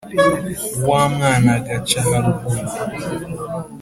wá mwána agaca haruguru